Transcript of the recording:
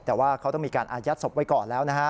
แต่ว่าเขาต้องมีการอายัดศพไว้ก่อนแล้วนะฮะ